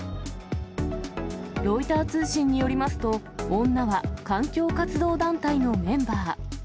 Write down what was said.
ロイター通信によりますと、女は環境活動団体のメンバー。